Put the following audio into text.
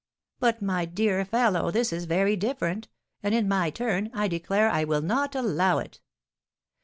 "But, my dear fellow, this is very different; and, in my turn, I declare I will not allow it."